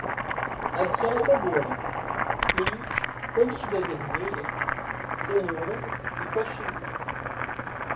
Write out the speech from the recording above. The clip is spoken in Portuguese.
Adicione a cebola e, quando estiver vermelha, cenoura e cochilo.